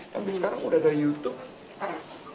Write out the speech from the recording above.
tapi sekarang udah ada youtube